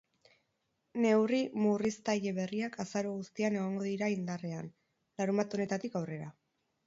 Neurri murriztaile berriak azaro guztian egongo dirai indarrean, larunbat honetatik aurrera.